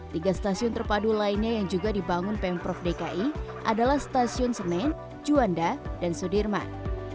tiga stasiun terpadu lainnya yang juga dibangun pemprov dki adalah stasiun senen juanda dan sudirman